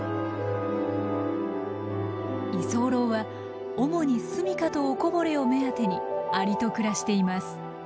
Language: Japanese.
居候は主にすみかとおこぼれを目当てにアリと暮らしています。